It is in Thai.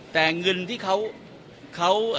แต่เงินที่เขา